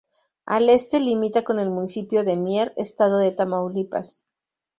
Al este limita con el municipio de Mier, estado de Tamaulipas.